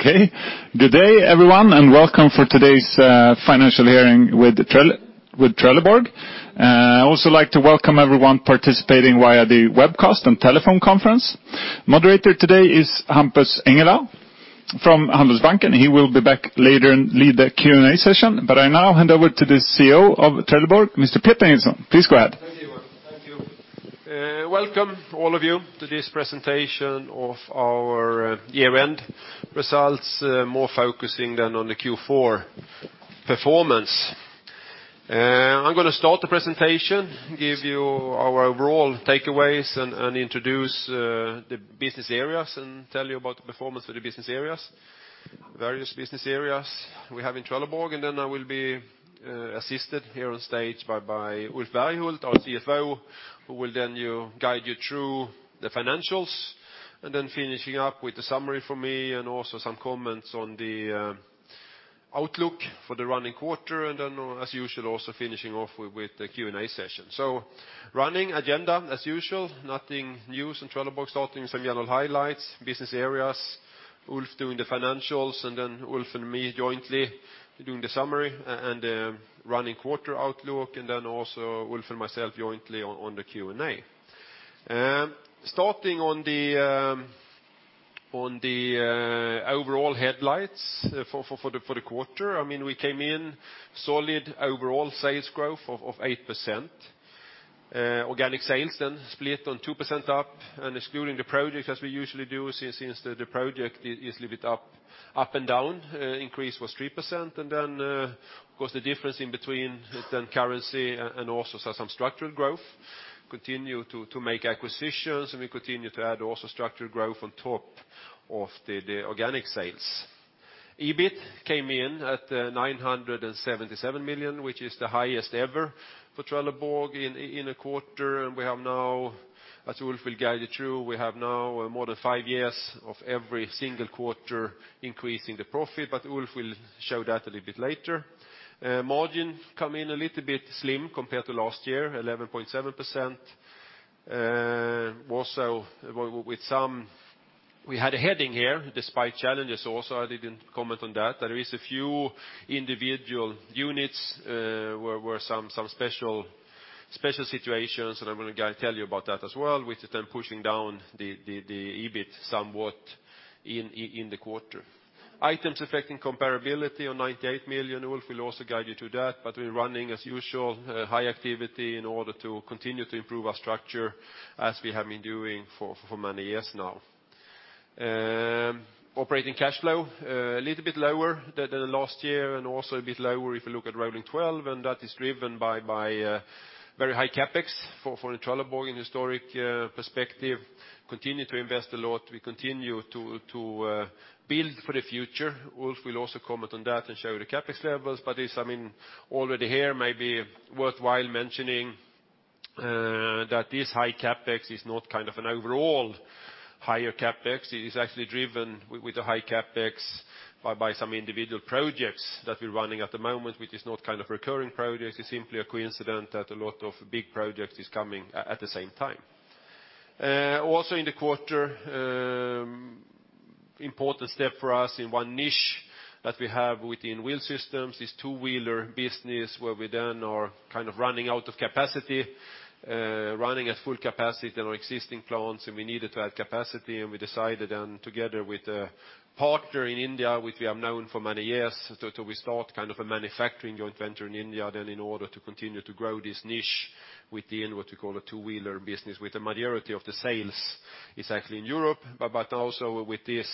Okay. Good day, everyone, and welcome for today's financial hearing with Trelleborg. I also like to welcome everyone participating via the webcast and telephone conference. Moderator today is Hampus Engellau from Handelsbanken, he will be back later and lead the Q&A session. I now hand over to the CEO of Trelleborg, Mr. Peter Nilsson. Please go ahead. Thank you. Welcome, all of you, to this presentation of our year-end results, more focusing then on the Q4 performance. I'm going to start the presentation, give you our overall takeaways, introduce the business areas, and tell you about the performance of the business areas, various business areas we have in Trelleborg. I will be assisted here on stage by Ulf Berghult, our CFO, who will guide you through the financials, and finishing up with the summary from me and also some comments on the outlook for the running quarter. As usual, also finishing off with the Q&A session. Running agenda as usual, nothing new from Trelleborg. Starting with some general highlights, business areas, Ulf doing the financials, Ulf and me jointly doing the summary and the running quarter outlook, and also Ulf and myself jointly on the Q&A. Starting on the overall highlights for the quarter. We came in solid overall sales growth of 8%. Organic sales then split on 2% up and excluding the project as we usually do since the project is a little bit up and down, increase was 3%. Of course, the difference in between currency and also some structural growth, continue to make acquisitions, and we continue to add also structural growth on top of the organic sales. EBIT came in at 977 million, which is the highest ever for Trelleborg in a quarter. As Ulf will guide you through, we have now more than five years of every single quarter increasing the profit, but Ulf will show that a little bit later. Margin come in a little bit slim compared to last year, 11.7%. We had a heading here, despite challenges also, I didn't comment on that. There is a few individual units where some special situations, I'm going to tell you about that as well, which then pushing down the EBIT somewhat in the quarter. Items affecting comparability of 98 million. Ulf will also guide you to that, we're running as usual, high activity in order to continue to improve our structure as we have been doing for many years now. Operating cash flow, a little bit lower than last year and also a bit lower if you look at rolling 12, that is driven by very high CapEx for the Trelleborg in historic perspective, continue to invest a lot. We continue to build for the future. Ulf will also comment on that and show the CapEx levels. Already here may be worthwhile mentioning that this high CapEx is not an overall higher CapEx. It is actually driven with a high CapEx by some individual projects that we are running at the moment, which is not recurring projects. It is simply a coincidence that a lot of big projects is coming at the same time. Also in the quarter, important step for us in one niche that we have within Wheel Systems is two-wheeler business, where we are running out of capacity, running at full capacity in our existing plants, and we needed to add capacity. We decided then together with a partner in India, which we have known for many years, we start a manufacturing joint venture in India then in order to continue to grow this niche within what you call a two-wheeler business, with the majority of the sales is actually in Europe. Also with this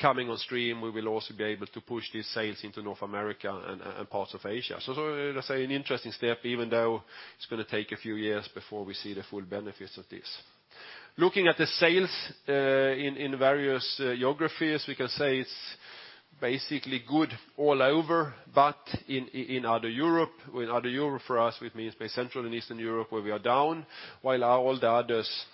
coming on stream, we will also be able to push these sales into North America and parts of Asia. As I say, an interesting step, even though it is going to take a few years before we see the full benefits of this. Looking at the sales in various geographies, we can say it is basically good all over. In Other Europe, for us, which means by Central and Eastern Europe where we are down, while all the others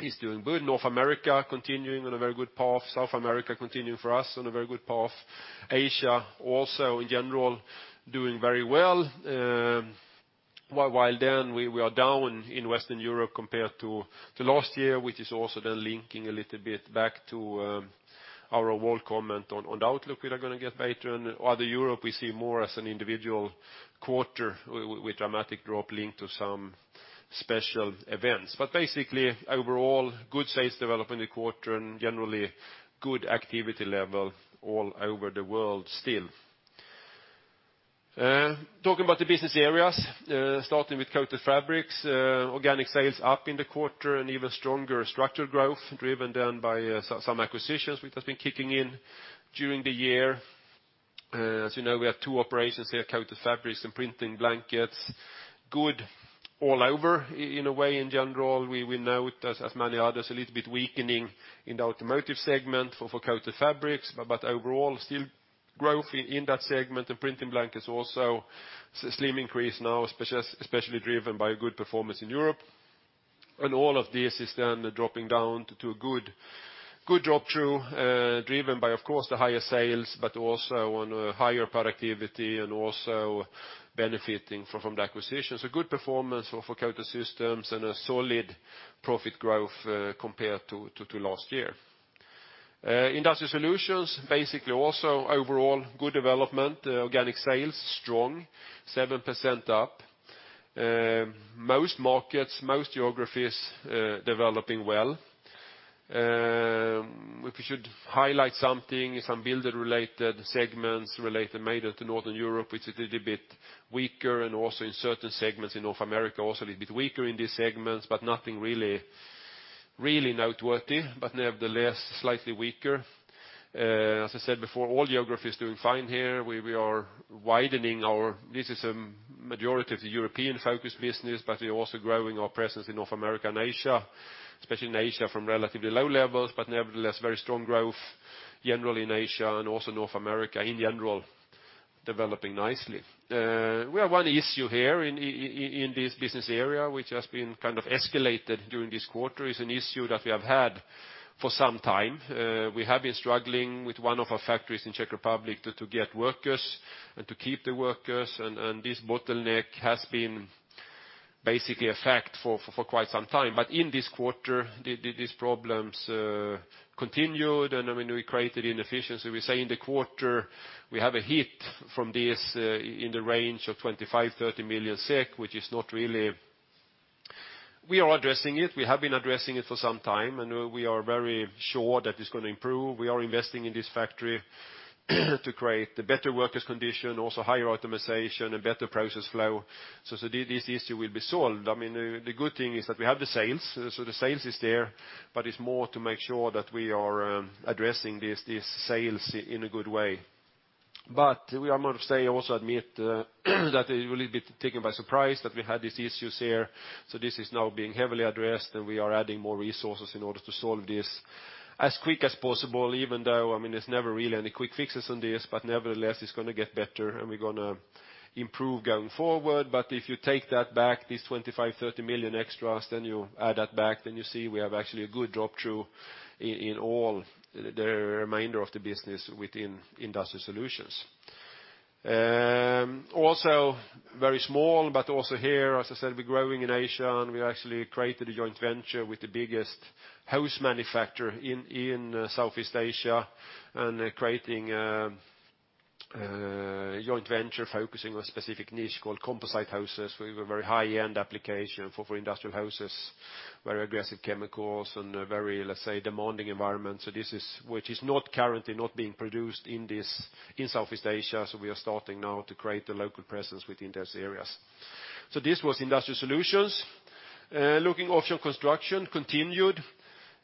is doing good. North America continuing on a very good path. South America continuing for us on a very good path. Asia also in general doing very well. While then we are down in Western Europe compared to last year, which is also then linking a little bit back to our overall comment on the outlook that are going to get later. Other Europe, we see more as an individual quarter with dramatic drop linked to some special events. Basically, overall, good sales development in the quarter and generally good activity level all over the world still. Talking about the business areas, starting with Coated Fabrics. Organic sales up in the quarter and even stronger structural growth driven down by some acquisitions which has been kicking in during the year. As you know, we have two operations here, Coated Fabrics and Printing Blankets. Good all over in a way, in general. We note, as many others, a little bit weakening in the automotive segment for Coated Fabrics, but overall still growth in that segment. Printing Blankets also, slim increase now, especially driven by a good performance in Europe. All of this is then dropping down to a good drop through, driven by, of course, the higher sales, but also on a higher productivity and also benefiting from the acquisitions. A good performance for Coated Systems and a solid profit growth compared to last year. Industrial Solutions, basically also overall good development. Organic sales strong, 7% up. Most markets, most geographies, developing well. If we should highlight something, some builder related segments related mainly to Northern Europe, which is a little bit weaker and also in certain segments in North America, also a little bit weaker in these segments, but nothing really noteworthy, but nevertheless, slightly weaker. As I said before, all geographies doing fine here. This is a majority of the European-focused business, but we are also growing our presence in North America and Asia, especially in Asia, from relatively low levels, but nevertheless, very strong growth general in Asia and also North America in general, developing nicely. We have one issue here in this business area, which has been escalated during this quarter. It is an issue that we have had for some time. We have been struggling with one of our factories in Czech Republic to get workers and to keep the workers, and this bottleneck has been basically a fact for quite some time. In this quarter, these problems continued and we created inefficiency. We say in the quarter we have a hit from this in the range of 25 million-30 million SEK. We are addressing it. We have been addressing it for some time, and we are very sure that it is going to improve. We are investing in this factory to create a better workers' condition, also higher optimization and better process flow. This issue will be solved. The good thing is that we have the sales, so the sales is there, but it is more to make sure that we are addressing these sales in a good way. We are going to also admit that a little bit taken by surprise that we had these issues here. This is now being heavily addressed, and we are adding more resources in order to solve this as quick as possible, even though, there is never really any quick fixes on this. Nevertheless, it is going to get better and we are going to improve going forward. If you take that back, this 25 million-30 million extras, then you add that back, then you see we have actually a good drop-through in all the remainder of the business within Industrial Solutions. Also very small, but also here, as I said, we are growing in Asia, and we actually created a joint venture with the biggest hose manufacturer in Southeast Asia and creating a joint venture focusing on a specific niche called composite hoses with a very high-end application for industrial hoses, very aggressive chemicals and very, let's say, demanding environment. This is, which is not currently not being produced in Southeast Asia. We are starting now to create a local presence within those areas. This was Industrial Solutions. Looking Offshore & Construction continued.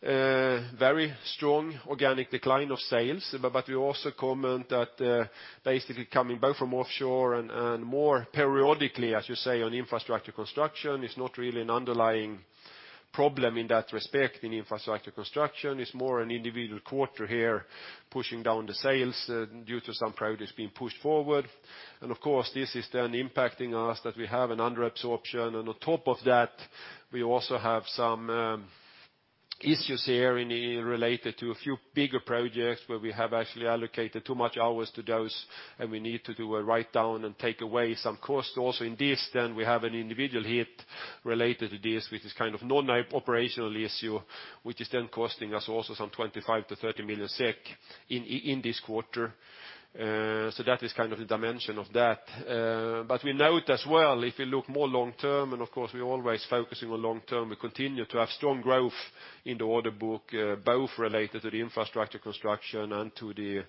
Very strong organic decline of sales. We also comment that basically coming both from offshore and more periodically, I should say, on infrastructure construction, it is not really an underlying problem in that respect in infrastructure construction. It is more an individual quarter here pushing down the sales due to some projects being pushed forward. Of course, this is then impacting us that we have an under absorption. On top of that, we also have some issues here related to a few bigger projects where we have actually allocated too much hours to those, and we need to do a write-down and take away some costs also in this. We have an individual hit related to this, which is kind of non-operational issue, which is then costing us also some 25 million-30 million SEK in this quarter. That is kind of the dimension of that. We note as well, if you look more long-term, of course, we're always focusing on long-term, we continue to have strong growth in the order book, both related to the infrastructure construction and to the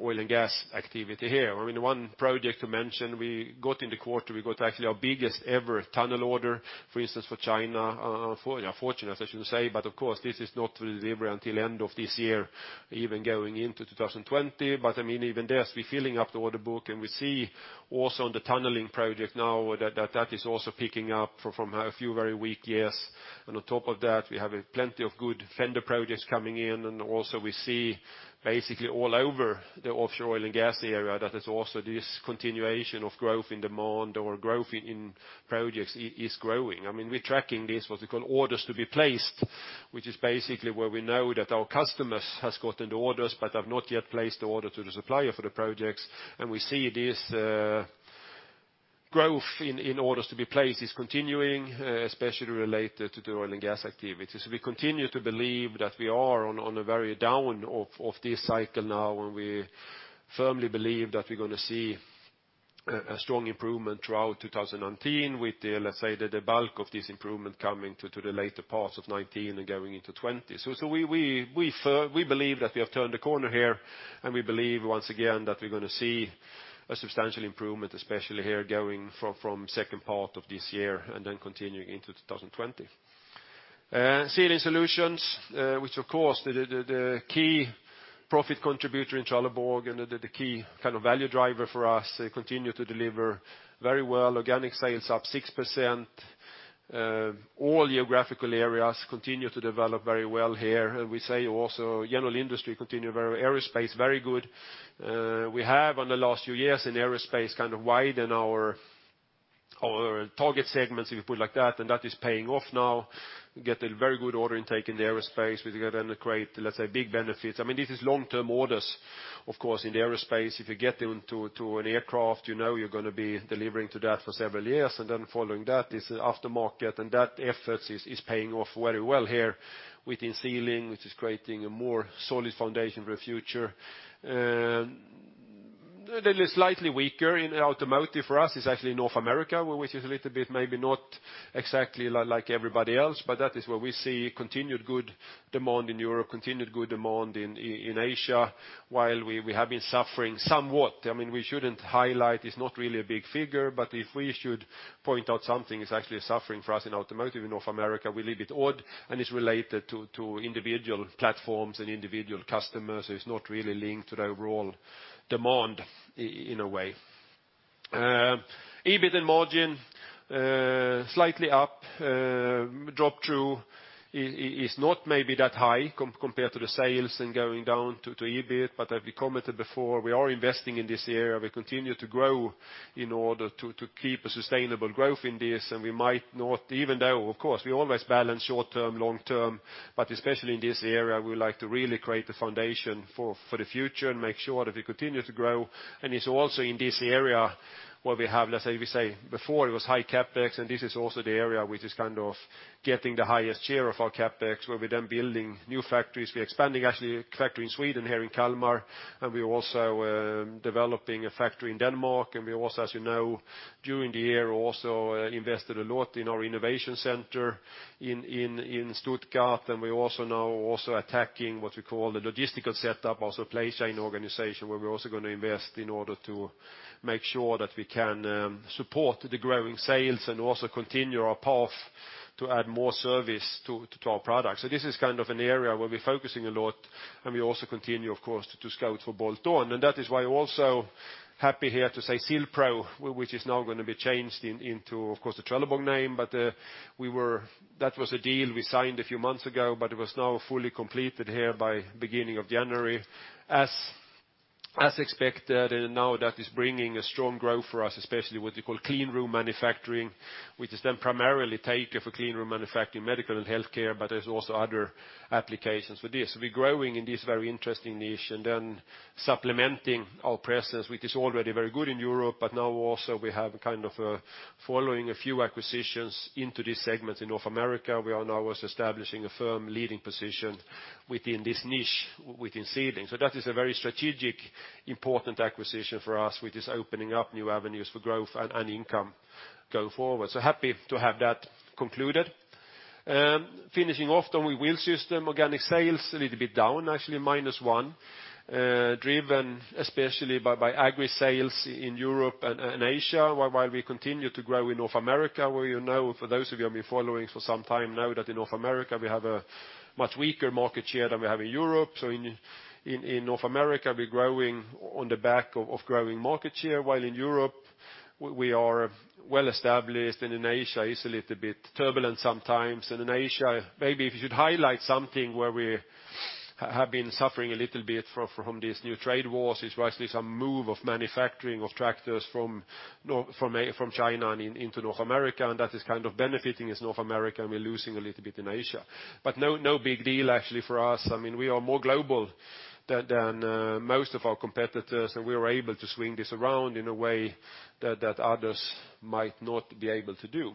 oil and gas activity here. One project to mention, we got in the quarter, we got actually our biggest ever tunnel order, for instance, for China. Fortunate, I should say. Of course, this is not to deliver until end of this year, even going into 2020. Even there, as we're filling up the order book and we see also on the tunneling project now that that is also picking up from a few very weak years. On top of that, we have plenty of good fender projects coming in. Also we see basically all over the offshore oil and gas area that is also this continuation of growth in demand or growth in projects is growing. We're tracking this, what we call orders to be placed, which is basically where we know that our customers has gotten the orders but have not yet placed the order to the supplier for the projects. We see this growth in orders to be placed is continuing, especially related to the oil and gas activities. We continue to believe that we are on a very bottom of this cycle now, and we firmly believe that we're going to see a strong improvement throughout 2019 with the, let's say, the bulk of this improvement coming to the later parts of 2019 and going into 2020. We believe that we have turned the corner here, we believe once again that we're going to see a substantial improvement, especially here going from second part of this year, continuing into 2020. Sealing Solutions, which of course, the key profit contributor in Trelleborg and the key kind of value driver for us continue to deliver very well. Organic sales up 6%. All geographical areas continue to develop very well here. We say also general industry continue. Aerospace, very good. We have on the last few years in aerospace kind of widened our target segments, if you put it like that is paying off now. We get a very good order intake in the aerospace. We create, let's say, big benefits. This is long-term orders, of course, in the aerospace. If you get into an aircraft, you know you're going to be delivering to that for several years. Then following that is the aftermarket, that effort is paying off very well here within Sealing, which is creating a more solid foundation for the future. A little slightly weaker in automotive for us is actually North America, which is a little bit maybe not exactly like everybody else, that is where we see continued good demand in Europe, continued good demand in Asia, while we have been suffering somewhat. We shouldn't highlight, it's not really a big figure. If we should point out something, it's actually a suffering for us in automotive in North America. We leave it odd. It's related to individual platforms and individual customers. It's not really linked to the overall demand in a way. EBIT and margin, slightly up. Drop-through is not maybe that high compared to the sales and going down to EBIT. As we commented before, we are investing in this area. We continue to grow in order to keep a sustainable growth in this. Even though, of course, we always balance short-term, long-term, but especially in this area, we like to really create the foundation for the future and make sure that we continue to grow. It's also in this area where we have, let's say, we say before it was high CapEx, and this is also the area which is kind of getting the highest share of our CapEx, where we're then building new factories. We're expanding actually a factory in Sweden here in Kalmar, and we're also developing a factory in Denmark, and we also, as you know, during the year also invested a lot in our innovation center in Stuttgart. We also now attacking what we call the logistical setup, also place chain organization, where we're also going to invest in order to make sure that we can support the growing sales and also continue our path to add more service to our products. This is kind of an area where we're focusing a lot, and we also continue, of course, to scout for Bolton. That is why also happy here to say Sil-Pro, which is now going to be changed into, of course, the Trelleborg name, but that was a deal we signed a few months ago, but it was now fully completed here by beginning of January. As expected, now that is bringing a strong growth for us, especially what you call clean room manufacturing, which is then primarily taken for clean room manufacturing, medical and healthcare, but there's also other applications for this. We're growing in this very interesting niche and then supplementing our presence, which is already very good in Europe. Now also we have kind of following a few acquisitions into this segment in North America. We are now also establishing a firm leading position within this niche within sealing. That is a very strategic important acquisition for us, which is opening up new avenues for growth and income go forward. Happy to have that concluded. Finishing off then with Wheel Systems, organic sales a little bit down, actually -1%, driven especially by agri sales in Europe and Asia, while we continue to grow in North America, where you know, for those of you who have been following for some time now, that in North America, we have a much weaker market share than we have in Europe. In North America, we're growing on the back of growing market share, while in Europe, we are well established. In Asia, it's a little bit turbulent sometimes. In Asia, maybe if you should highlight something where we have been suffering a little bit from these new trade wars, it's actually some move of manufacturing of tractors from China and into North America, and that is kind of benefiting as North America, and we're losing a little bit in Asia. No big deal actually for us. We are more global than most of our competitors, and we are able to swing this around in a way that others might not be able to do.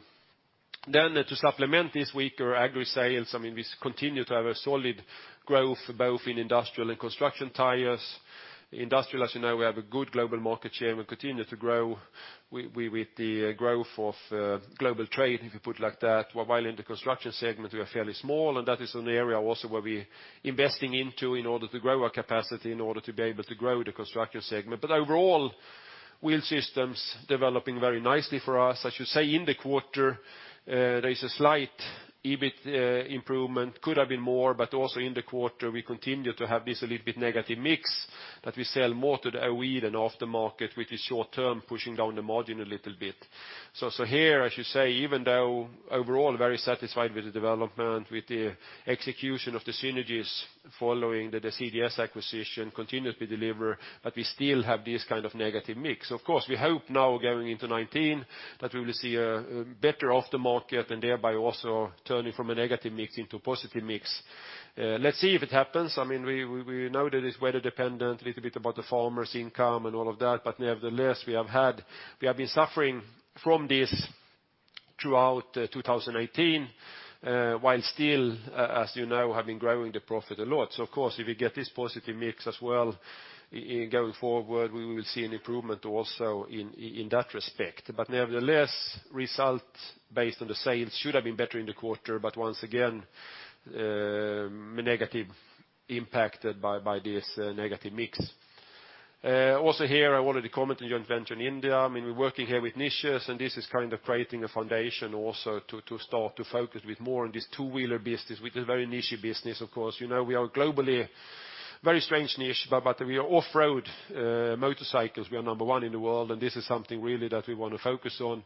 To supplement this weaker agri sales, we continue to have a solid growth both in industrial and construction tires. Industrial, as you know, we have a good global market share, and we continue to grow with the growth of global trade, if you put it like that. In the construction segment, we are fairly small, and that is an area also where we're investing into in order to grow our capacity, in order to be able to grow the construction segment. Overall, Wheel Systems developing very nicely for us. I should say in the quarter, there is a slight EBIT improvement. Could have been more, but also in the quarter, we continue to have this a little bit negative mix that we sell more to the OE than aftermarket, which is short-term pushing down the margin a little bit. Here, I should say, even though overall very satisfied with the development, with the execution of the synergies following the CGS acquisition continues to deliver, but we still have this kind of negative mix. Of course, we hope now going into 2019 that we will see a better aftermarket and thereby also turning from a negative mix into positive mix. Let's see if it happens. We know that it's weather dependent, a little bit about the farmer's income and all of that. Nevertheless, we have been suffering from this throughout 2018, while still, as you know, have been growing the profit a lot. Of course, if you get this positive mix as well going forward, we will see an improvement also in that respect. Nevertheless, results based on the sales should have been better in the quarter, but once again, negative impacted by this negative mix. Also here, I wanted to comment on the joint venture in India. We're working here with niches, and this is kind of creating a foundation also to start to focus with more on this two-wheeler business, which is a very niche business, of course. We are globally very strange niche, but we are off-road motorcycles. We are number one in the world, and this is something really that we want to focus on.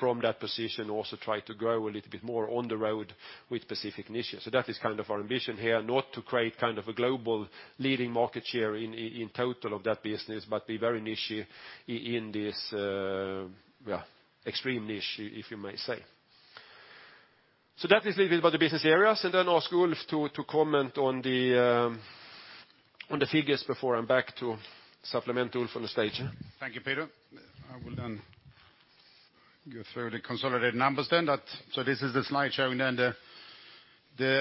From that position, also try to grow a little bit more on the road with specific niches. That is kind of our ambition here, not to create a global leading market share in total of that business, but be very niche in this extreme niche, if you may say. That is a little bit about the business areas, and then ask Ulf to comment on the figures before I'm back to supplement Ulf on the stage. Thank you, Peter. I will go through the consolidated numbers. This is the slide showing the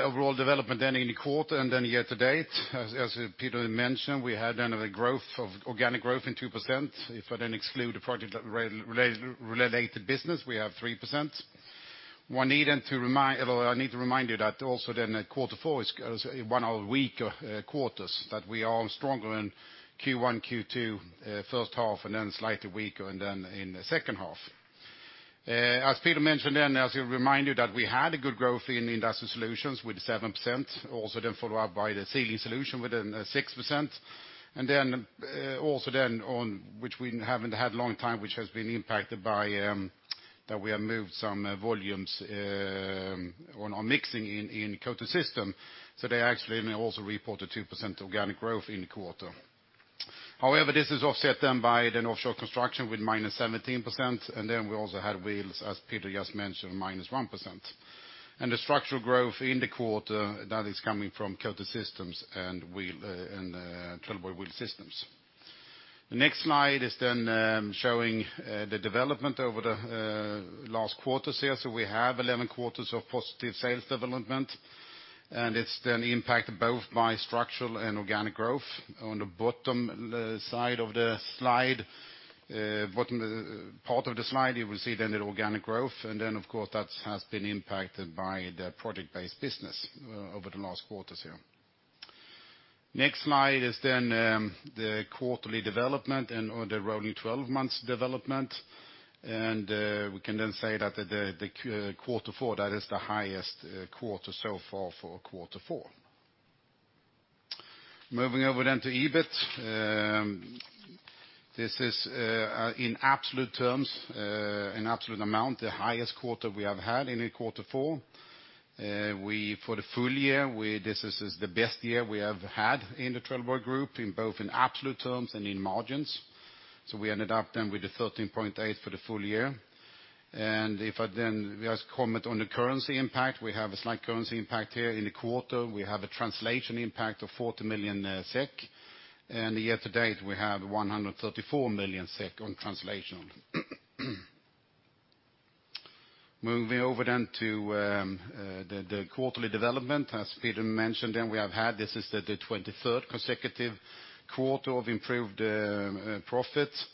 overall development in the quarter and year to date. As Peter mentioned, we had a growth of organic growth in 2%. If I exclude the project-related business, we have 3%. I need to remind you that quarter four is one of our weaker quarters, that we are stronger in Q1, Q2, first half, and slightly weaker in the second half. As Peter mentioned, as a reminder that we had a good growth in Trelleborg Industrial Solutions with 7%, followed up by the Trelleborg Sealing Solutions within 6%. On which we haven't had long time, which has been impacted by that we have moved some volumes on our mixing in Coated Systems, they actually may report a 2% organic growth in the quarter. However, this is offset by the Offshore & Construction with -17%, and we had Wheel Systems, as Peter just mentioned, -1%. The structural growth in the quarter, that is coming from Coated Systems and Trelleborg Wheel Systems. The next slide is showing the development over the last quarters here. We have 11 quarters of positive sales development, and it's impacted both by structural and organic growth. On the bottom part of the slide, you will see the organic growth. Of course that has been impacted by the project-based business over the last quarters here. Next slide is the quarterly development and on the rolling 12 months development. We can say that the quarter four, that is the highest quarter so far for quarter four. Moving over to EBIT. This is in absolute terms, in absolute amount, the highest quarter we have had in a quarter four. For the full-year, this is the best year we have had in the Trelleborg Group, both in absolute terms and in margins. We ended up with the 13.8 for the full-year. If I just comment on the currency impact, we have a slight currency impact here in the quarter. We have a translation impact of 40 million SEK, and year to date we have 134 million SEK on translation. Moving over to the quarterly development. As Peter mentioned, we have had, this is the 23rd consecutive quarter of improved profits,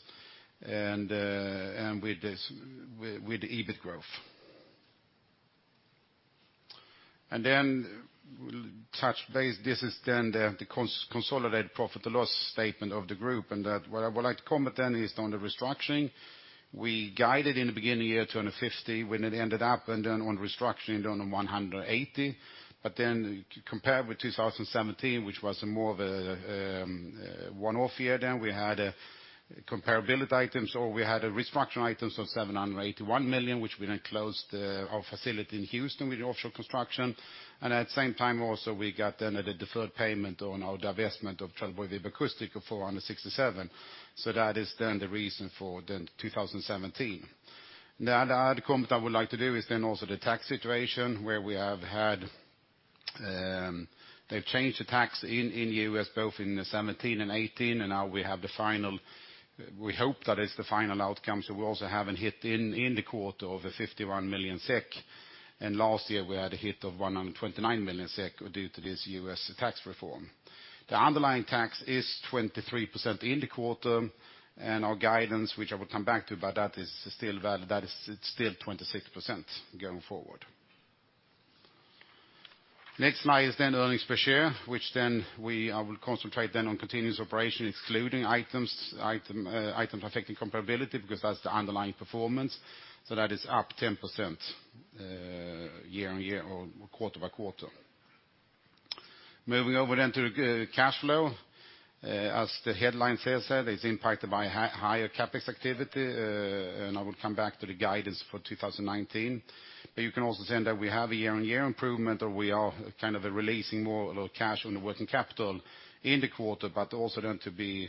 and with the EBIT growth. Touch base, this is the consolidated profit loss statement of the group, and that what I would like to comment is on the restructuring. We guided in the beginning of year 250 million, when it ended up on restructuring on 180 million. Compared with 2017, which was more of a one-off year, we had a comparability item, we had restructuring items of 781 million, which we closed our facility in Houston with the Offshore & Construction. At the same time we got a deferred payment on our divestment of TrelleborgVibracoustic of 467 million. That is the reason for 2017. The other comment I would like to do is the tax situation where they've changed the tax in U.S. both in 2017 and 2018. Now we hope that it's the final outcome. We also have a hit in the quarter of 51 million SEK. Last year we had a hit of 129 million SEK due to this U.S. tax reform. The underlying tax is 23% in the quarter. Our guidance, which I will come back to, but that is still 26% going forward. Earnings per share, which I will concentrate on continuous operation excluding items affecting comparability, because that's the underlying performance. That is up 10% year-on-year or quarter-by-quarter. Moving over to cash flow. As the headline here said, it's impacted by higher CapEx activity. I will come back to the guidance for 2019. You can also see that we have a year-on-year improvement, or we are kind of releasing more of cash on the working capital in the quarter, but also then to be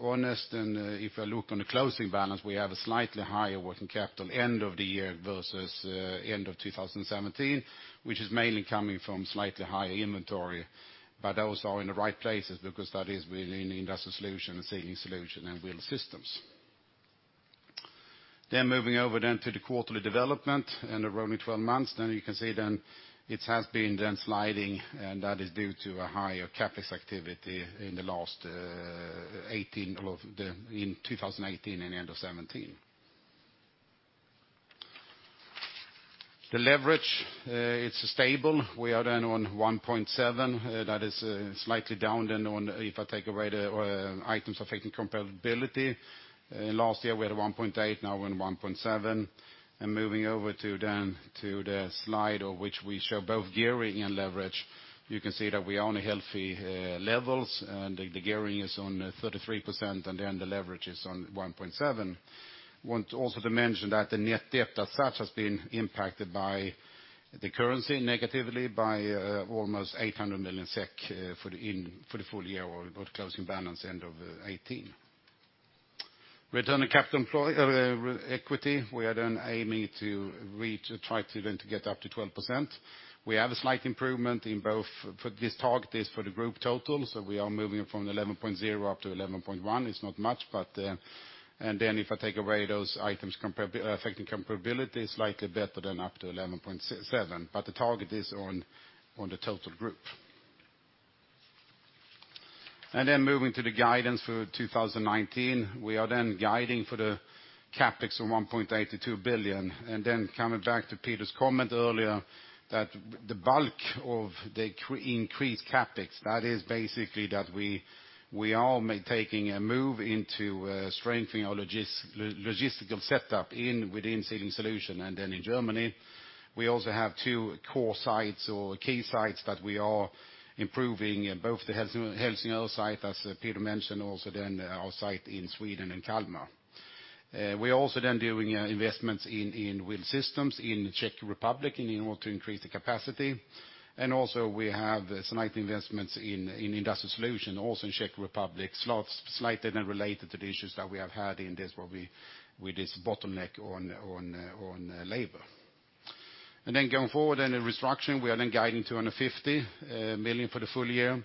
honest, and if I look on the closing balance, we have a slightly higher working capital end of the year versus end of 2017, which is mainly coming from slightly higher inventory. Those are in the right places because that is really in Industrial Solutions, Sealing Solutions, and Wheel Systems. Moving over to the quarterly development in the rolling 12 months, you can see it has been sliding. That is due to a higher CapEx activity in 2018 and end of 2017. The leverage, it's stable. We are on 1.7. That is slightly down on if I take away the items affecting comparability. Last year we had a 1.8, now we're on 1.7. Moving over to the slide of which we show both gearing and leverage. You can see that we are on healthy levels. The gearing is on 33%. The leverage is on 1.7. I also want to mention that the net debt as such has been impacted by the currency negatively by almost 800 million SEK for the full-year or closing balance end of 2018. Return on capital equity, we are aiming to reach, or try to even get up to 12%. We have a slight improvement in both. This target is for the group total, so we are moving from 11.0 up to 11.1. It's not much. If I take away those items affecting comparability, slightly better than up to 11.7. The target is on the total group. Moving to the guidance for 2019. We are guiding for the CapEx of 1.82 billion. Coming back to Peter's comment earlier, the bulk of the increased CapEx, that is basically that we are taking a move into strengthening our logistical setup within Sealing Solutions. In Germany, we also have two core sites or key sites that we are improving, both the Helsingør site, as Peter mentioned, also our site in Sweden in Kalmar. We're also doing investments in Wheel Systems in the Czech Republic in order to increase the capacity. Also we have some IT investments in Industrial Solutions, also in Czech Republic, slightly related to the issues that we have had with this bottleneck on labor. Going forward in restructuring, we are then guiding 250 million for the full-year.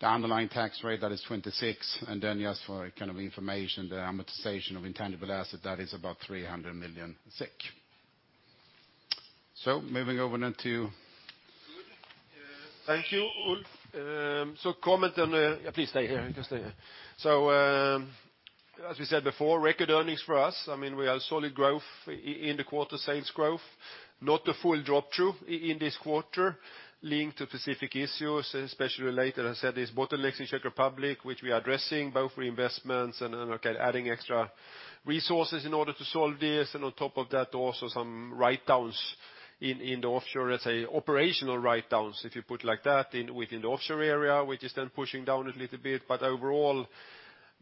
The underlying tax rate, that is 26%. Just for information, the amortization of intangible assets, that is about 300 million SEK. Moving over now to you. Thank you, Ulf. Please stay here. You can stay here. As we said before, record earnings for us. We have solid growth in the quarter, sales growth, not a full drop-through in this quarter, linked to specific issues, especially related, as I said, these bottlenecks in Czech Republic, which we are addressing both reinvestments and adding extra resources in order to solve this. On top of that, also some write-downs in the Offshore. Let's say operational write-downs, if you put it like that, within the Offshore area, which is then pushing down a little bit. Overall,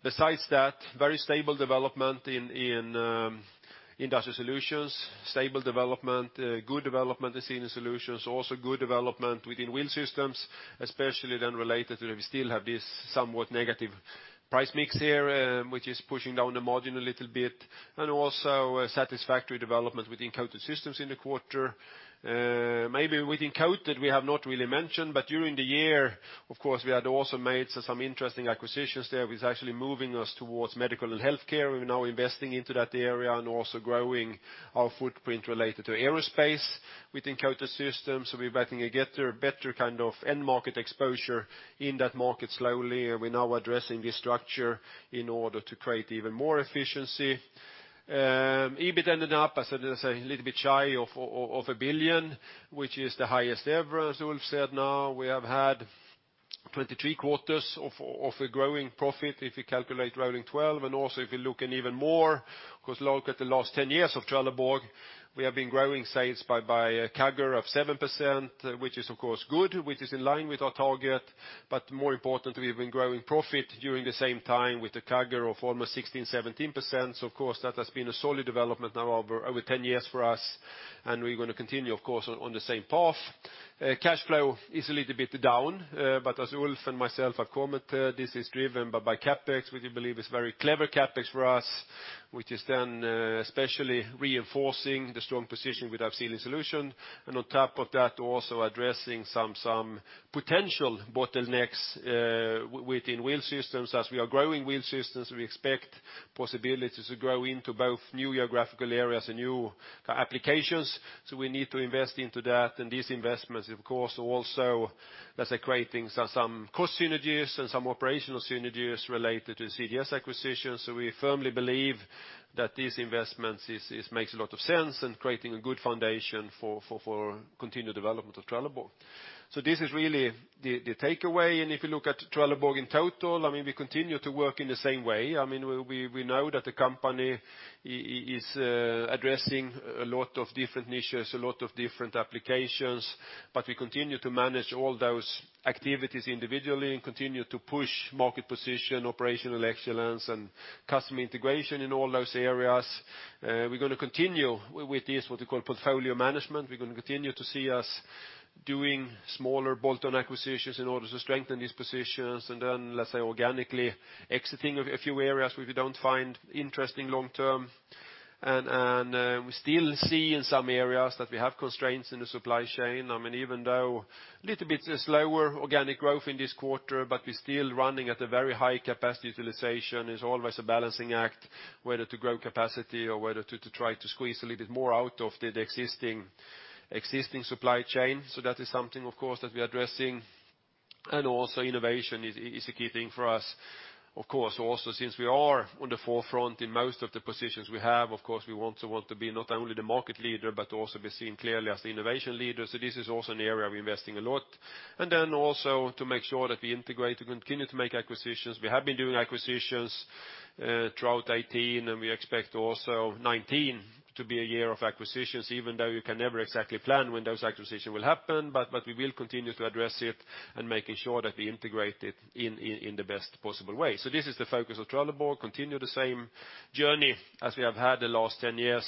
besides that, very stable development in Industrial Solutions. Stable development, good development in Sealing Solutions. Also good development within Wheel Systems, especially then related to that we still have this somewhat negative price mix here, which is pushing down the margin a little bit. Also a satisfactory development within Coated Systems in the quarter. Maybe with Coated, we have not really mentioned, but during the year, of course, we had also made some interesting acquisitions there, which is actually moving us towards medical and healthcare. We're now investing into that area and also growing our footprint related to aerospace within Coated Systems. We're getting a better end market exposure in that market slowly. We're now addressing this structure in order to create even more efficiency. EBIT ended up, as I say, a little bit shy of 1 billion, which is the highest ever, as Ulf said. Now we have had 23 quarters of a growing profit, if you calculate rolling 12. Also, if you look even more, because look at the last 10 years of Trelleborg, we have been growing sales by a CAGR of 7%, which is, of course, good, which is in line with our target. More importantly, we've been growing profit during the same time with a CAGR of almost 16%, 17%. Of course, that has been a solid development now over 10 years for us, and we're going to continue, of course, on the same path. Cash flow is a little bit down. As Ulf and myself have commented, this is driven by CapEx, which we believe is very clever CapEx for us, which is then especially reinforcing the strong position with our Sealing Solutions. On top of that, also addressing some potential bottlenecks within Wheel Systems. We are growing Wheel Systems, we expect possibilities to grow into both new geographical areas and new applications. We need to invest into that, and these investments creating some cost synergies and some operational synergies related to the CGS acquisition. We firmly believe that this investment makes a lot of sense and creating a good foundation for continued development of Trelleborg. This is really the takeaway. If you look at Trelleborg in total, we continue to work in the same way. We know that the company is addressing a lot of different niches, a lot of different applications, we continue to manage all those activities individually and continue to push market position, operational excellence, and customer integration in all those areas. We're going to continue with this, what we call portfolio management. We're going to continue to see us doing smaller bolt-on acquisitions in order to strengthen these positions and then organically exiting a few areas which we don't find interesting long term. We still see in some areas that we have constraints in the supply chain. Even though a little bit slower organic growth in this quarter, we're still running at a very high capacity utilization. It's always a balancing act whether to grow capacity or whether to try to squeeze a little bit more out of the existing supply chain. That is something that we're addressing. Also innovation is a key thing for us. Since we are on the forefront in most of the positions we have, we want to be not only the market leader, but also be seen clearly as the innovation leader. This is also an area we're investing a lot. To make sure that we integrate and continue to make acquisitions. We have been doing acquisitions throughout 2018, we expect also 2019 to be a year of acquisitions, even though you can never exactly plan when those acquisitions will happen. We will continue to address it and making sure that we integrate it in the best possible way. This is the focus of Trelleborg, continue the same journey as we have had the last 10 years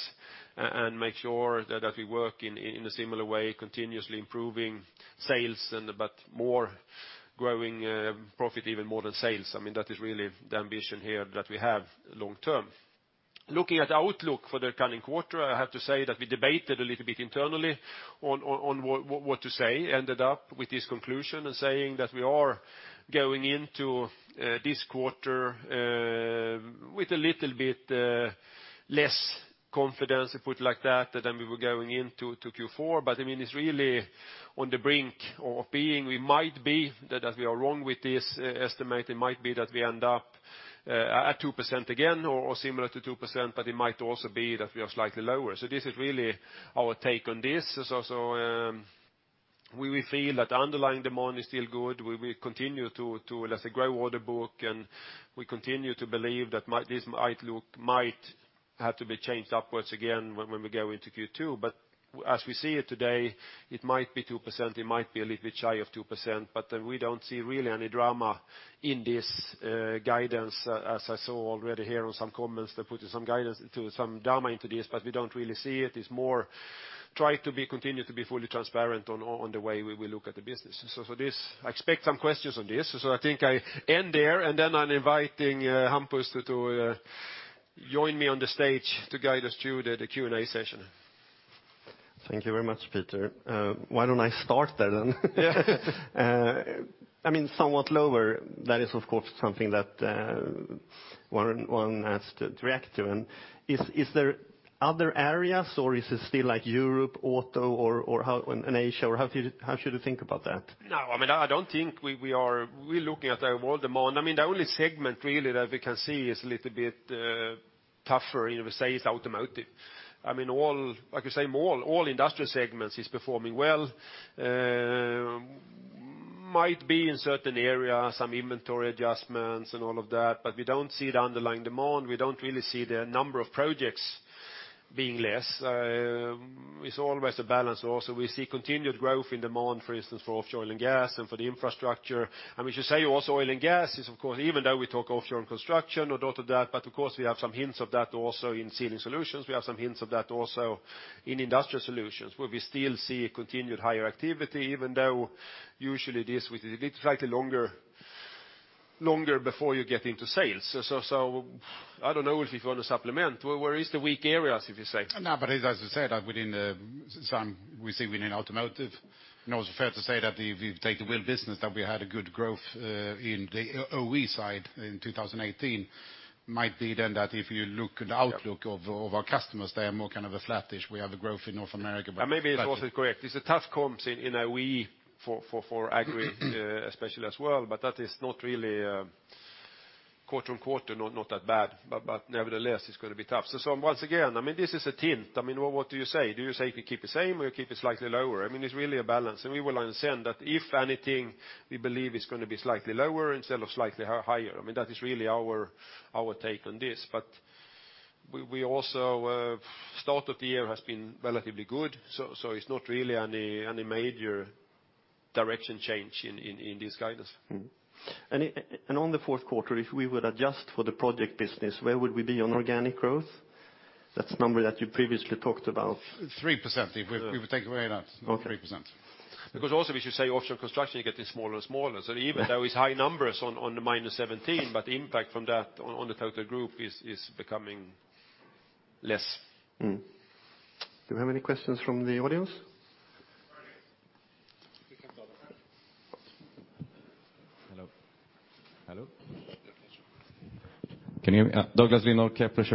and make sure that we work in a similar way, continuously improving sales, but more growing profit even more than sales. That is really the ambition here that we have long term. Looking at outlook for the coming quarter, I have to say that we debated a little bit internally on what to say, ended up with this conclusion and saying that we are going into this quarter with a little bit less confidence, put like that, than we were going into Q4. It's really on the brink of being, we might be that as we are wrong with this estimate, it might be that we end up at 2% again or similar to 2%, it might also be that we are slightly lower. This is really our take on this. We feel that underlying demand is still good. We will continue to grow order book, we continue to believe that this outlook might have to be changed upwards again when we go into Q2. As we see it today, it might be 2%, it might be a little bit shy of 2%, we don't see really any drama in this guidance, as I saw already here on some comments that put some drama into this, we don't really see it. It's more try to continue to be fully transparent on the way we look at the business. I expect some questions on this, so I think I end there, and then I'm inviting Hampus to join me on the stage to guide us through the Q&A session. Thank you very much, Peter. Why don't I start then? Yeah. Somewhat lower, that is, of course, something that one has to react to. Is there other areas, or is it still Europe, auto, and Asia, or how should we think about that? I don't think we are really looking at our world demand. The only segment really that we can see is a little bit tougher, say, is automotive. I could say all industrial segments is performing well. Might be in certain areas, some inventory adjustments and all of that, we don't see the underlying demand. We don't really see the number of projects being less. It's always a balance. We see continued growth in demand, for instance, for offshore oil and gas and for the infrastructure. We should say also oil and gas is, of course, even though we talk Offshore & Construction or data, of course, we have some hints of that also in Sealing Solutions. We have some hints of that also in Industrial Solutions, where we still see a continued higher activity, even though usually it is with a little slightly longer before you get into sales. I don't know if you want to supplement. Where is the weak areas, if you say? As I said, within the sum we see within automotive, also fair to say that if you take the wheel business, that we had a good growth in the OE side in 2018, might be then that if you look at the outlook of our customers, they are more kind of a flat-ish. We have a growth in North America. Maybe it's also correct. It's a tough comps in OE for agri, especially as well, that is not really quarter-on-quarter, not that bad. Nevertheless, it's going to be tough. Once again, this is a hint. What do you say? Do you say if we keep it same or you keep it slightly lower? It's really a balance. We will understand that if anything, we believe it's going to be slightly lower instead of slightly higher. That is really our take on this. We also, start of the year has been relatively good, so it's not really any major direction change in this guidance. On the fourth quarter, if we would adjust for the project business, where would we be on organic growth? That's the number that you previously talked about. 3%, if we would take away that, 3%. Also, we should say Offshore & Construction, you get this smaller and smaller. Even though it's high numbers on the -17, but the impact from that on the total group is becoming less. Do you have any questions from the audience? Hello? Can you hear me? Douglas Lindahl, Kepler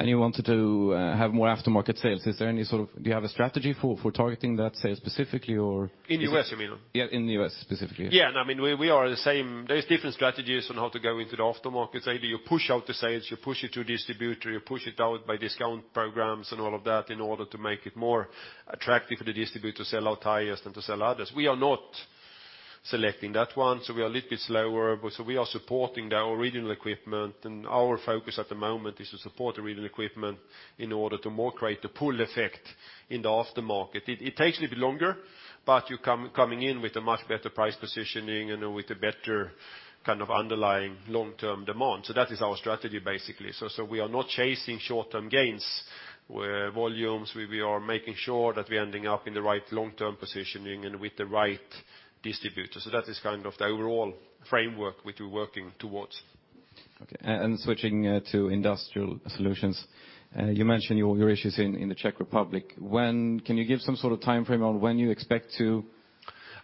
Cheuvreux.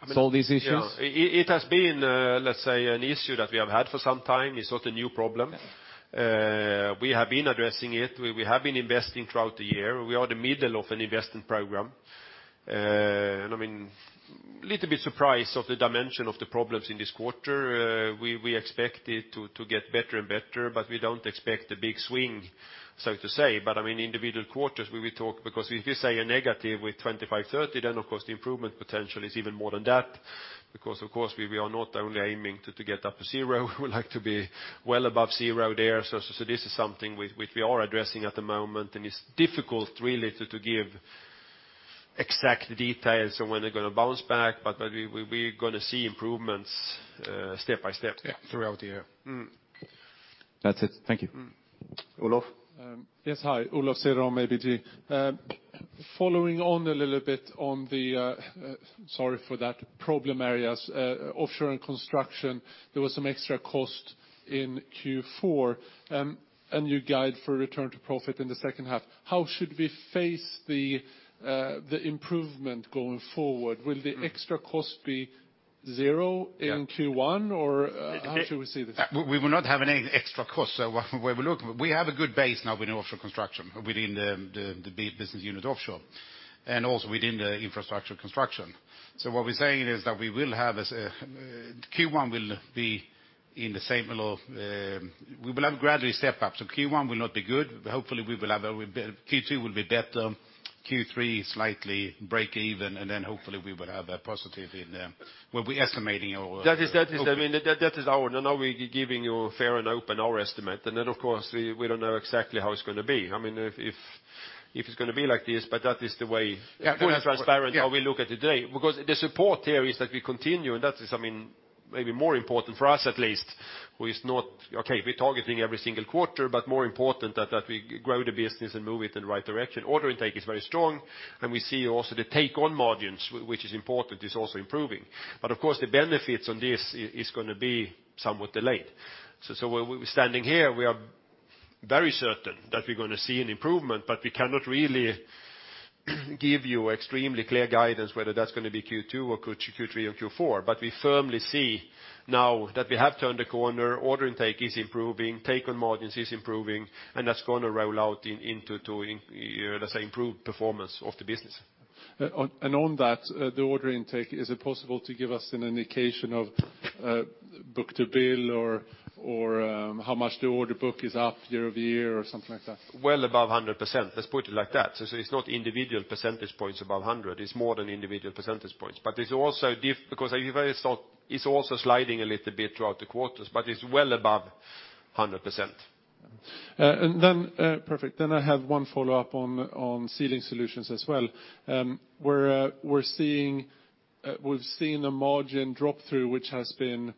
Solve these issues? Yeah. It has been, let's say, an issue that we have had for some time. It's not a new problem. Yeah. We have been addressing it. We have been investing throughout the year. We are the middle of an investment program. A little bit surprised of the dimension of the problems in this quarter. We expect it to get better and better, but we don't expect a big swing, so to say. Individual quarters, we will talk, because if you say a negative with 25, 30, then of course the improvement potential is even more than that. Of course we are not only aiming to get up to zero we would like to be well above zero there. This is something which we are addressing at the moment, and it's difficult, really, to give exact details on when they're going to bounce back, but we're going to see improvements step by step. Yeah. Throughout the year. That's it. Thank you. Olof? Yes, hi. Olof Cederholm from ABG. Following on a little bit on the, sorry for that, problem areas. Offshore & Construction, there was some extra cost in Q4. You guide for return to profit in the second half. How should we face the improvement going forward? Will the extra cost be zero in Q1, or how should we see this? We will not have any extra costs where we're looking. We have a good base now in Offshore & Construction, within the business unit offshore, and also within the Infrastructure Construction. What we're saying is that Q1 will be in the same below. We will have gradually step up. Q1 will not be good. Hopefully Q2 will be better, Q3 slightly break even, and then hopefully we will have a positive in there. What we're estimating. Now we're giving you fair and open our estimate. Then of course, we don't know exactly how it's going to be. If it's going to be like this, that is the way. Yeah. Fully transparent how we look at today. The support here is that we continue, and that is maybe more important for us at least, we're targeting every single quarter, more important that we grow the business and move it in the right direction. Order intake is very strong, and we see also the take-on margins, which is important, is also improving. Of course, the benefits on this is going to be somewhat delayed. Where we're standing here, we are very certain that we're going to see an improvement, but we cannot really give you extremely clear guidance whether that's going to be Q2 or Q3 or Q4. We firmly see now that we have turned a corner. Order intake is improving, take-on margins is improving, and that's going to roll out into, let's say, improved performance of the business. On that, the order intake, is it possible to give us an indication of book to bill or how much the order book is up year-over-year or something like that? Well above 100%, let's put it like that. It's not individual percentage points above 100, it's more than individual percentage points. It's also sliding a little bit throughout the quarters, but it's well above 100%. Perfect. I have one follow-up on Sealing Solutions as well. We've seen a margin drop through, which has been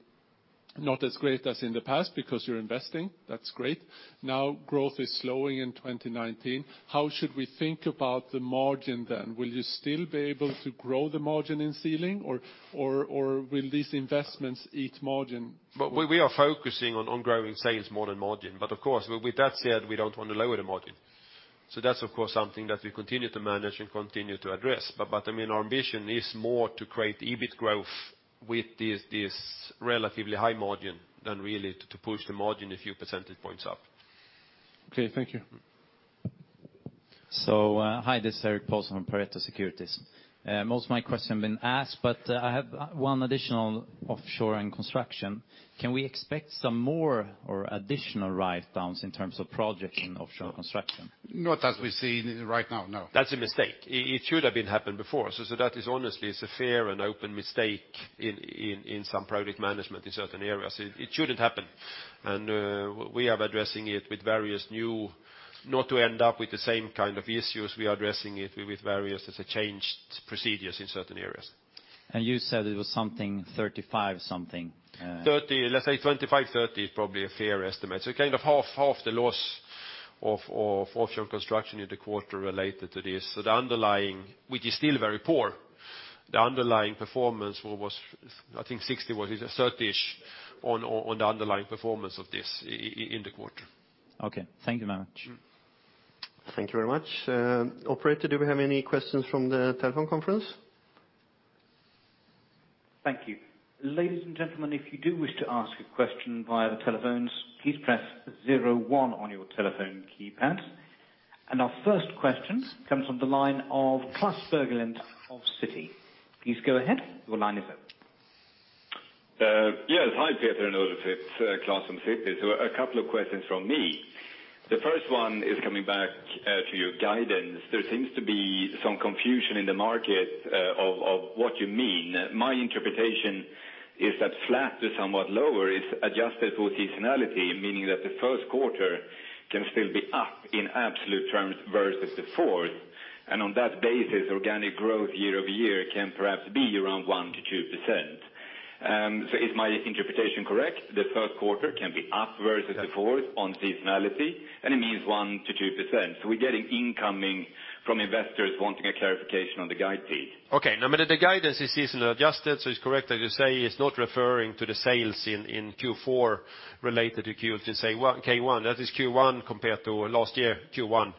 not as great as in the past because you're investing. That's great. Now growth is slowing in 2019. How should we think about the margin then? Will you still be able to grow the margin in Sealing or will these investments eat margin? We are focusing on growing sales more than margin. Of course, with that said, we don't want to lower the margin. That's of course something that we continue to manage and continue to address. Our ambition is more to create EBIT growth with this relatively high margin than really to push the margin a few percentage points up. Okay, thank you. Hi, this is Erik Paulsson from Pareto Securities. Most of my question have been asked, but I have one additional Offshore & Construction. Can we expect some more or additional writedowns in terms of projects in Offshore & Construction? Not as we see right now, no. That's a mistake. It should have been happened before. That is honestly a fair and open mistake in some project management in certain areas. It shouldn't happen. We are addressing it with various new not to end up with the same kind of issues, we are addressing it with various changed procedures in certain areas. You said it was something 35 something. Let's say 25-30 is probably a fair estimate. Half the loss of Offshore & Construction in the quarter related to this. Which is still very poor. The underlying performance was, I think 60 what is it, 30-ish on the underlying performance of this in the quarter. Okay. Thank you very much. Thank you very much. Operator, do we have any questions from the telephone conference? Thank you. Ladies and gentlemen, if you do wish to ask a question via the telephones, please press zero one on your telephone keypad. Our first question comes from the line of Klas Bergelind of Citi. Please go ahead, your line is open. Yes. Hi, Peter and Ulf. It's Klas from Citi. A couple of questions from me. The first one is coming back to your guidance. There seems to be some confusion in the market of what you mean. My interpretation is that flat to somewhat lower is adjusted for seasonality, meaning that the first quarter can still be up in absolute terms versus the fourth. On that basis, organic growth year-over-year can perhaps be around 1%-2%. Is my interpretation correct? The first quarter can be up versus the fourth on seasonality, and it means 1%-2%. We're getting incoming from investors wanting a clarification on the guide, please. Okay. The guidance is seasonally adjusted, it's correct, as you say. It's not referring to the sales in Q4 related to Q1. That is Q1 compared to last year, Q1.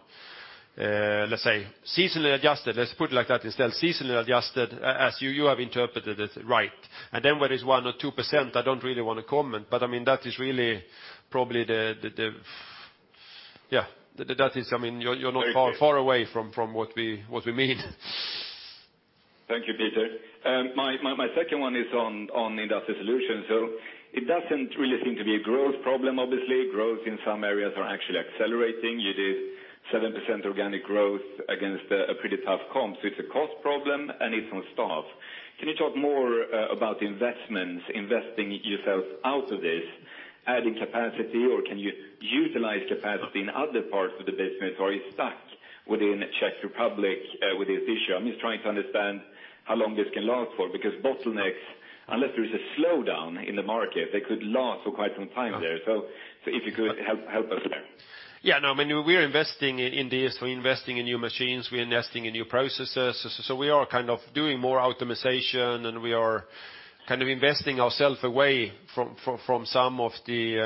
Let's say seasonally adjusted, let's put it like that instead. Seasonally adjusted as you have interpreted it. Right. Whether it's 1% or 2%, I don't really want to comment, but that is really probably You're not far away from what we mean. Thank you, Peter. My second one is on Industrial Solutions. It doesn't really seem to be a growth problem. Obviously, growth in some areas are actually accelerating. You did 7% organic growth against a pretty tough comp. It's a cost problem and it's on staff. Can you talk more about the investments? Investing yourself out of this, adding capacity, or can you utilize capacity in other parts of the business, or are you stuck within the Czech Republic with this issue? I'm just trying to understand how long this can last for, because bottlenecks, unless there's a slowdown in the market, they could last for quite some time there. If you could help us there. Yeah, no, we're investing in this. We're investing in new machines. We're investing in new processes. We are doing more optimization, and we are investing ourself away from some of the,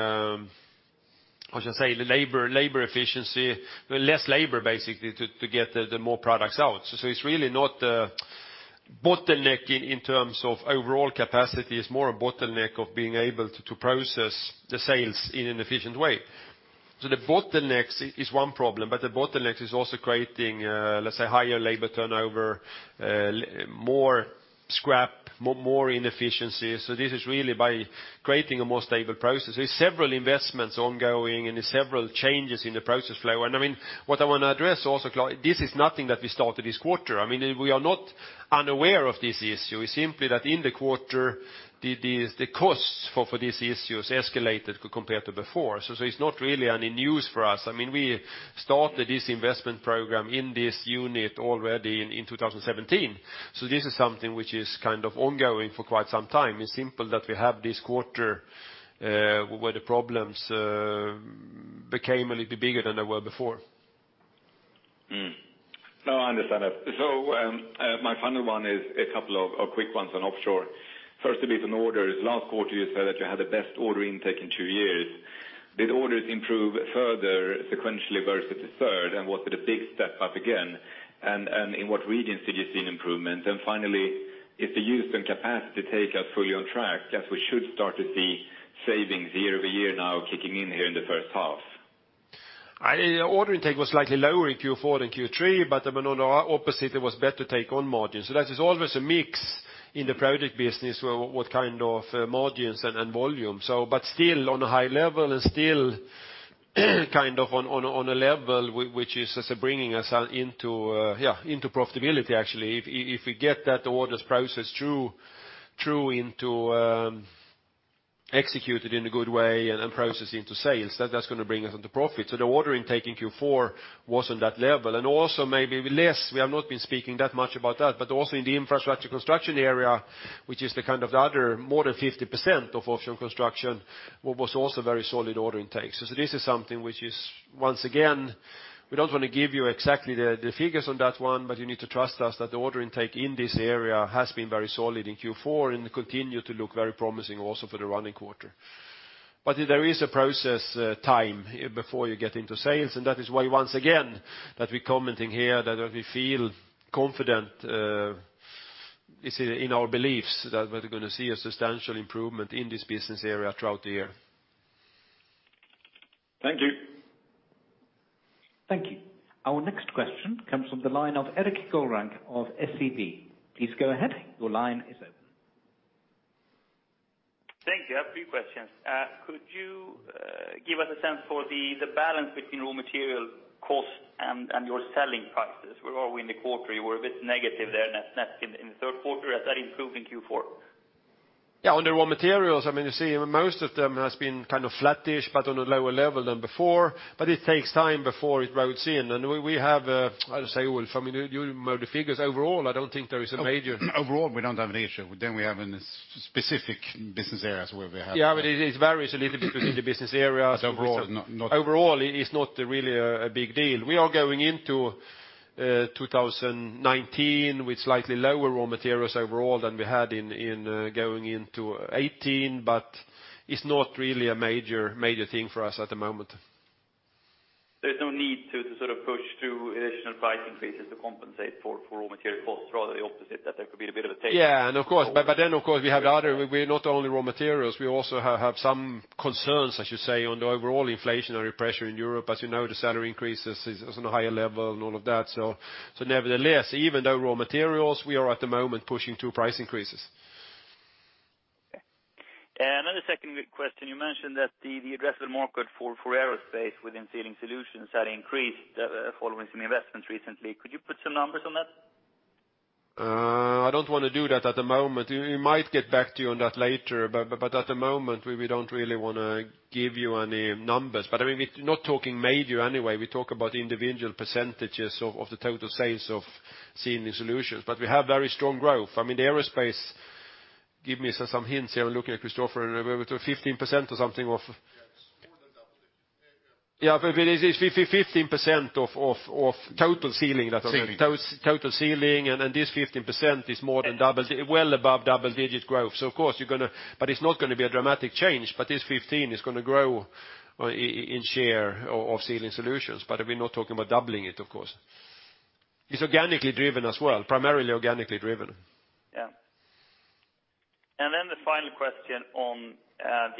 how should I say? The labor efficiency, the less labor basically to get the more products out. It's really not a bottleneck in terms of overall capacity. It's more a bottleneck of being able to process the sales in an efficient way. The bottleneck is one problem, but the bottleneck is also creating, let's say, higher labor turnover, more scrap, more inefficiencies. This is really by creating a more stable process. There's several investments ongoing and several changes in the process flow. What I want to address also, this is nothing that we started this quarter. We are not unaware of this issue. It's simply that in the quarter, the costs for these issues escalated compared to before. It's not really any news for us. We started this investment program in this unit already in 2017. This is something which is ongoing for quite some time. It's simply that we have this quarter where the problems became a little bigger than they were before. No, I understand that. My final one is a couple of quick ones on Offshore. First, a bit on orders. Last quarter, you said that you had the best order intake in two years. Did orders improve further sequentially versus Q3? Was it a big step up again? In what regions did you see an improvement? Finally, if the use and capacity take us fully on track, guess we should start to see savings year-over-year now kicking in here in the first half. Order intake was slightly lower in Q4 than Q3, on the opposite it was better to take on margins. That is always a mix in the project business, what kind of margins and volume. Still on a high level and still on a level which is bringing us into profitability, actually. If we get the orders processed through into executed in a good way and processed into sales, that's going to bring us into profit. The order intake in Q4 was on that level. Also maybe less, we have not been speaking that much about that, but also in the infrastructure construction area, which is the other more than 50% of Offshore & Construction, was also very solid order intake. This is something which is, once again, we don't want to give you exactly the figures on that one, you need to trust us that the order intake in this area has been very solid in Q4 and continue to look very promising also for the running quarter. There is a process time before you get into sales, that is why, once again, that we're commenting here that we feel confident in our beliefs that we're going to see a substantial improvement in this business area throughout the year. Thank you. Thank you. Our next question comes from the line of Erik Golrang of SEB. Please go ahead. Your line is open. Thank you. I have three questions. Could you give us a sense for the balance between raw material costs and your selling prices? Where are we in the quarter? You were a bit negative there net in the third quarter. Has that improved in Q4? Yeah. On the raw materials, you see most of them has been kind of flattish but on a lower level than before. It takes time before it routes in. We have a-- I'll say, well, you know the figures overall, I don't think there is a major. Overall, we don't have an issue. We have in specific business areas where we have. Yeah, it varies a little bit between the business areas. Overall not. Overall, it is not really a big deal. We are going into 2019 with slightly lower raw materials overall than we had going into 2018, but it's not really a major thing for us at the moment. There's no need to sort of push through additional price increases to compensate for raw material costs. Rather the opposite, that there could be a bit of a take. Of course. Of course, we're not only raw materials. We also have some concerns, I should say, on the overall inflationary pressure in Europe. As you know, the salary increase is on a higher level and all of that. Even though raw materials, we are at the moment pushing two price increases. Okay. The second question, you mentioned that the addressed market for aerospace within Sealing Solutions had increased following some investments recently. Could you put some numbers on that? I don't want to do that at the moment. We might get back to you on that later, at the moment, we don't really want to give you any numbers. We're not talking major anyway. We talk about individual percentages of the total sales of Sealing Solutions. We have very strong growth. Aerospace, give me some hints here. We're looking at Christofer, 15% or something of-- Yeah. It is 15% of total Sealing- Sealing. Total Sealing, this 15% is more than double, well above double-digit growth. It's not going to be a dramatic change. This 15% is going to grow in share of Sealing Solutions. We're not talking about doubling it, of course. It's organically driven as well, primarily organically driven. Yeah. Then the final question on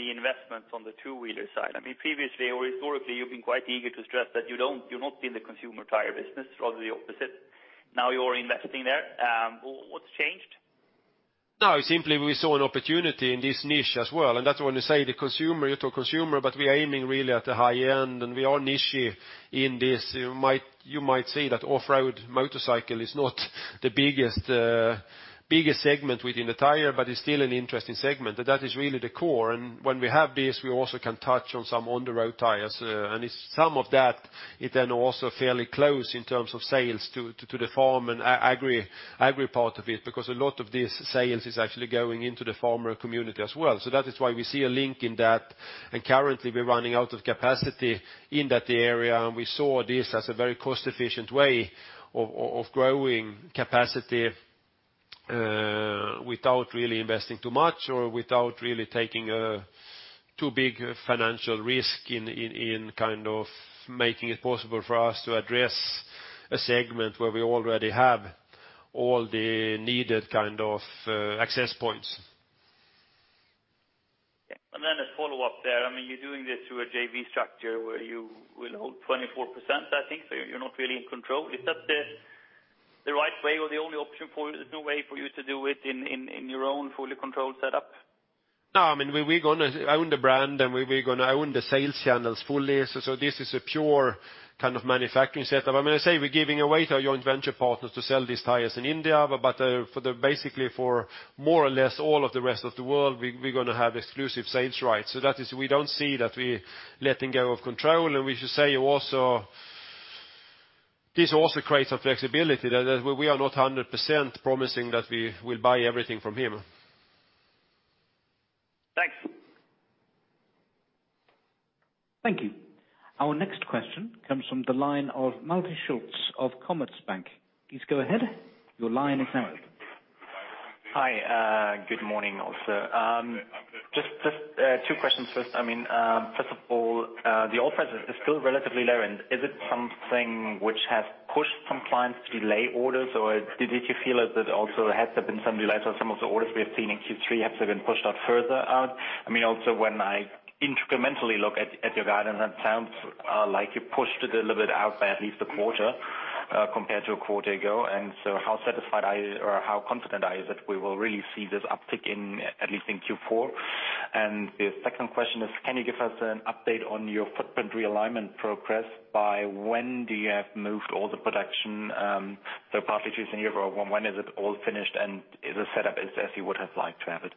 the investments on the two-wheeler side. Previously or historically, you've been quite eager to stress that you're not in the consumer tire business, rather the opposite. Now you're investing there. What's changed? No, simply, we saw an opportunity in this niche as well. That's when you say the consumer, you talk consumer, we are aiming really at the high end, we are niche-y in this. You might say that off-road motorcycle is not the biggest segment within the tire, it's still an interesting segment. That is really the core. When we have this, we also can touch on some on the road tires. Some of that it then also fairly close in terms of sales to the farm and agri part of it, because a lot of this sales is actually going into the farmer community as well. That is why we see a link in that. Currently we're running out of capacity in that area. We saw this as a very cost-efficient way of growing capacity without really investing too much or without really taking a too big financial risk in making it possible for us to address a segment where we already have all the needed kind of access points. Okay. A follow-up there. You're doing this through a JV structure where you will hold 24%, I think. You're not really in control. Is that the right way or the only option for you? There's no way for you to do it in your own fully controlled setup? No, we're going to own the brand and we're going to own the sales channels fully. This is a pure kind of manufacturing setup. I say we're giving away to our joint venture partners to sell these tires in India. Basically for more or less all of the rest of the world, we're going to have exclusive sales rights. That is, we don't see that we letting go of control, and we should say this also creates a flexibility that we are not 100% promising that we will buy everything from him. Thanks. Thank you. Our next question comes from the line of Malte Schulz of Commerzbank. Please go ahead. Your line is now open. Hi, good morning also. Just two questions first. First of all, the office is still relatively low end. Is it something which has pushed some clients to delay orders? Did you feel that also has there been some delays on some of the orders we have seen in Q3 have sort of been pushed out further out? When I incrementally look at your guidance, it sounds like you pushed it a little bit out by at least a quarter compared to a quarter ago. How satisfied are you or how confident are you that we will really see this uptick in, at least in Q4? The second question is, can you give us an update on your footprint realignment progress? By when do you have moved all the production? Q4, when is it all finished and is it set up as you would have liked to have it?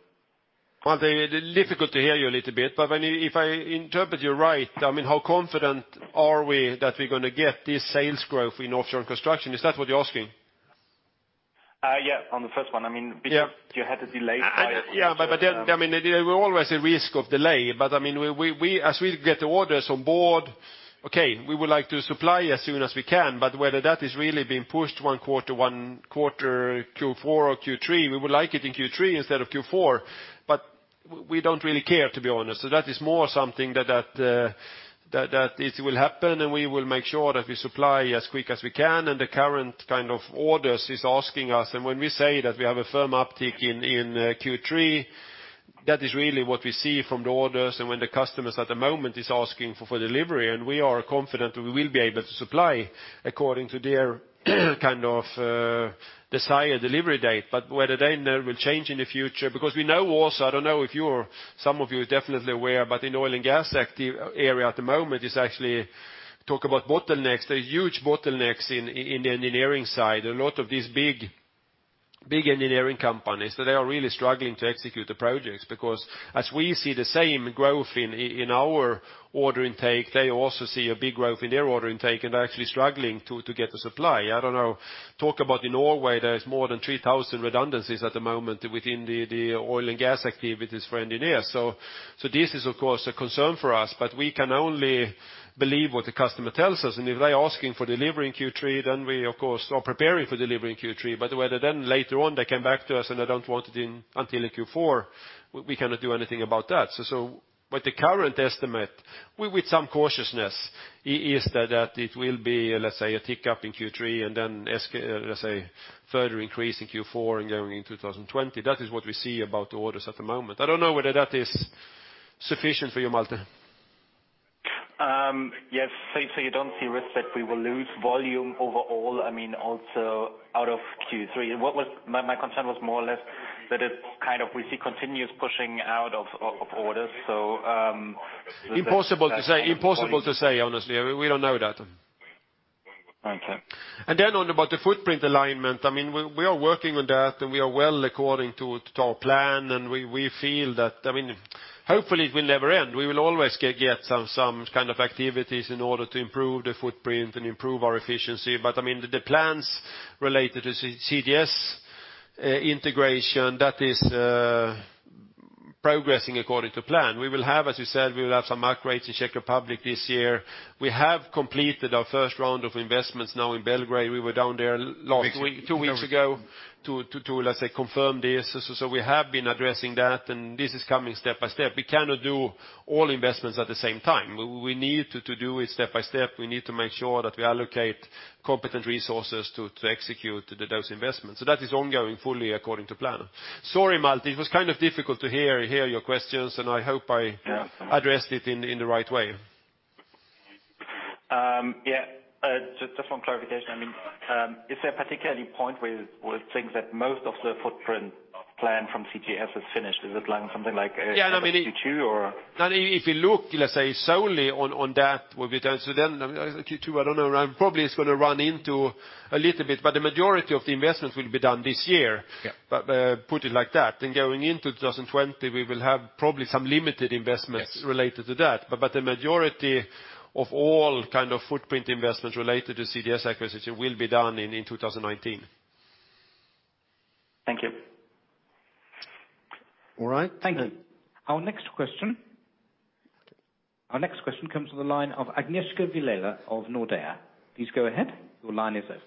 Malte, difficult to hear you a little bit, but if I interpret you right, how confident are we that we're going to get this sales growth in Offshore & Construction? Is that what you're asking? Yeah. On the first one. Yeah. Because you had a delay. Yeah. There were always a risk of delay. As we get the orders on board, okay, we would like to supply as soon as we can, but whether that is really being pushed one quarter, Q4 or Q3, we would like it in Q3 instead of Q4, but we don't really care, to be honest. That is more something that it will happen, we will make sure that we supply as quick as we can, the current kind of orders is asking us. When we say that we have a firm uptick in Q3, that is really what we see from the orders when the customers at the moment is asking for delivery, we are confident that we will be able to supply according to their kind of desired delivery date. Whether they will change in the future, because we know also, I don't know if some of you are definitely aware, but in oil and gas area at the moment is actually, talk about bottlenecks, there are huge bottlenecks in the engineering side. A lot of these big engineering companies, they are really struggling to execute the projects because as we see the same growth in our order intake, they also see a big growth in their order intake, and they're actually struggling to get the supply. I don't know, talk about in Norway, there is more than 3,000 redundancies at the moment within the oil and gas activities for engineers. This is of course a concern for us, we can only believe what the customer tells us, if they're asking for delivery in Q3, we of course are preparing for delivery in Q3. Whether then later on they come back to us and they don't want it until in Q4, we cannot do anything about that. The current estimate, with some cautiousness, is that it will be, let's say, a tick up in Q3 then, let's say, further increase in Q4 going into 2020. That is what we see about the orders at the moment. I don't know whether that is sufficient for you, Malte. Yes. You don't see risk that we will lose volume overall, also out of Q3? My concern was more or less that it's kind of we see continuous pushing out of orders. Impossible to say. Impossible to say, honestly. We don't know that. Okay. About the footprint alignment, we are working on that, and we are well according to our plan, and we feel that hopefully it will never end. We will always get some kind of activities in order to improve the footprint and improve our efficiency. The plans related to CGS integration, Progressing according to plan. We will have, as you said, some upgrades in Czech Republic this year. We have completed our first round of investments now in Belgrade. We were down there two weeks ago to, let's say, confirm this. We have been addressing that, and this is coming step by step. We cannot do all investments at the same time. We need to do it step by step. We need to make sure that we allocate competent resources to execute those investments. That is ongoing fully according to plan. Sorry, Malte, it was kind of difficult to hear your questions so now I hope I- Yeah. Addressed it in the right way. Yeah. Just one clarification. Is there a particular point where things that most of the footprint plan from CGS is finished? Is it something like? Yeah, I mean. Q2 or? If you look, let's say, solely on that, will be done. Q2, I don't know, probably it's going to run into a little bit, but the majority of the investments will be done this year. Yeah. Put it like that. Going into 2020, we will have probably some limited investments- Yes Related to that. The majority of all kind of footprint investments related to CGS acquisition will be done in 2019. Thank you. All right. Thank you. Our next question comes from the line of Agnieszka Vilela of Nordea. Please go ahead. Your line is open.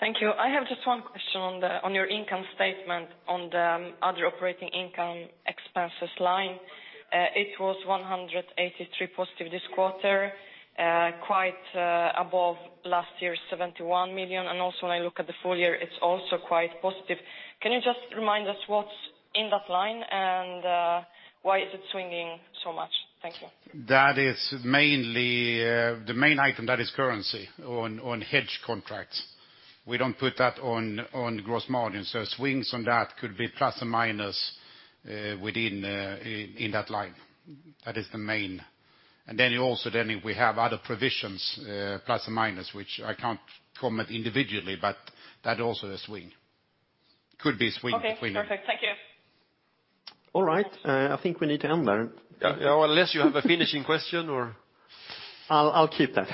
Thank you. I have just one question on your income statement on the other operating income expenses line. It was 183 positive this quarter, quite above last year's 71 million. Also when I look at the full-year, it's also quite positive. Can you just remind us what's in that line, and why is it swinging so much? Thank you. The main item, that is currency on hedge contracts. We don't put that on gross margin. Swings on that could be plus or minus within that line. That is the main. Then also, we have other provisions, plus or minus, which I can't comment individually, but that also could swing. Okay, perfect. Thank you. All right. I think we need to end there. Yeah. Unless you have a finishing question or. I'll keep that.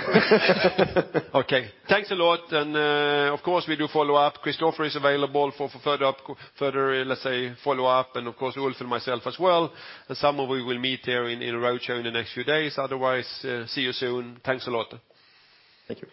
Okay. Thanks a lot. Of course, we do follow up. Christofer is available for further, let's say, follow up. Of course, Ulf and myself as well. Some of we will meet there in roadshow in the next few days. Otherwise, see you soon. Thanks a lot. Thank you.